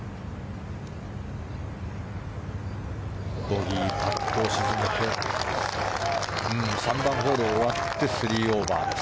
ボギーパットを沈めて３番ホール終わって３オーバー。